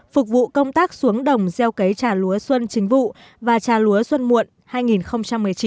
phục vụ công tác xuống đồng gieo cấy trà lúa xuân chính vụ và trà lúa xuân muộn hai nghìn một mươi chín hai nghìn hai mươi